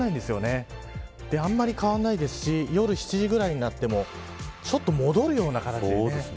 あまり変わらないですし夜７時ぐらいになってもちょっと戻るような形ですね。